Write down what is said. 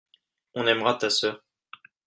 on aimera ta sœur.